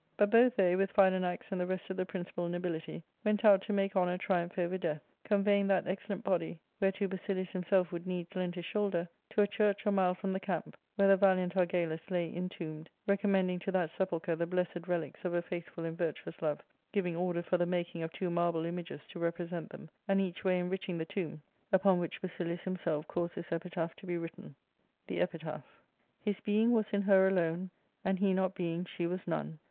But both they, with Philanax and the rest of the principal nobility, went out to make honour triumph over death, conveying that excellent body, whereto Basilius himself would needs lend his shoulder, to a church a mile from the camp, where the valiant Argalus lay intombed, recommending to that sepulchre the blessed relics of a faithful and virtuous love, giving order for the making of two marble images to represent them, and each way enriching the tomb ; upon which Basilius himself caused this epitaph* to be written :— The Epitaph. His being was in her alone ; And he not being, she was none.